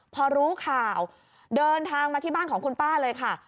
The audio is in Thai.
พอรู้ข่าวเดินทางมาที่บ้านของคุณป้าเลยค่ะ